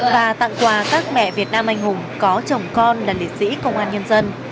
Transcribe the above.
và tặng quà các mẹ việt nam anh hùng có chồng con là liệt sĩ công an nhân dân